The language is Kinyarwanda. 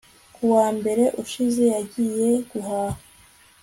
ku wa mbere ushize, yagiye guhaha